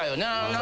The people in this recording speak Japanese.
何？